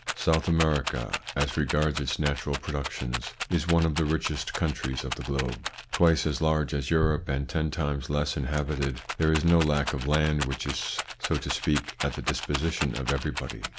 South America, as regards its natural productions, is one of the richest countries of the globe. Twice as large as Europe, and ten times less inhabited, there is no lack of land which is, so to speak, at the disposition of everybody.